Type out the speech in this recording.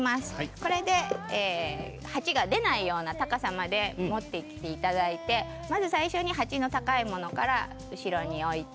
これで鉢が出ないような高さまで持ってきていただいてまず先に鉢の高いものから後ろに置いて。